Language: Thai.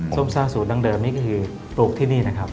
ส้มสร้างสูตรดังเดิมนี่ก็คือปลูกที่นี่นะครับ